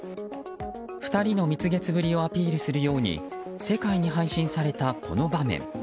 ２人の蜜月ぶりをアピールするように世界に配信されたこの場面。